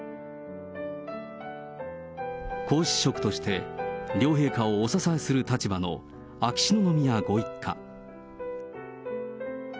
皇嗣職として、両陛下をお支えする立場の秋篠宮ご一家。